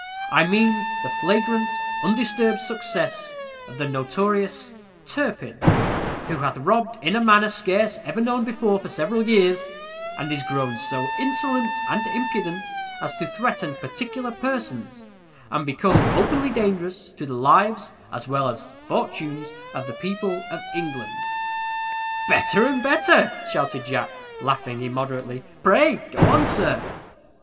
I mean the flagrant, undisturbed success of the notorious TURPIN, who hath robb'd in a manner scarce ever known before for several years, and is grown so insolent and impudent as to threaten particular persons, and become openly dangerous to the lives as well as fortunes of the people of England.'" "Better and better," shouted Jack, laughing immoderately. "Pray go on, sir."